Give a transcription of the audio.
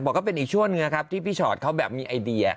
ก็เป็นอีกช่วงหนึ่งนะครับที่พี่ชอตเขาแบบมีไอเดีย